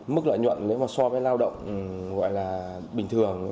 mức lợi nhuận so với lao động bình thường